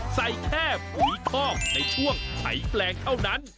ใส่แค่ปุ๋ยคอกในช่วงไถแปลงเท่านั้น